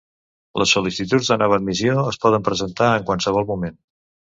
Les sol·licituds de nova admissió es poden presentar en qualsevol moment.